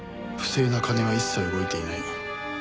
不正な金は一切動いていない。